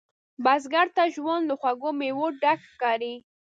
بزګر ته ژوند له خوږو میوو ډک ښکاري